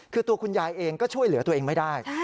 คือตัวคุณยายเองก็ช่วยเหลือตัวเองไม่ได้